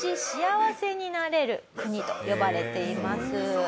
幸せになれる国と呼ばれています。